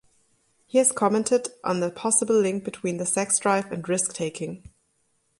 He has commented on the possible link between the sex drive and risk taking.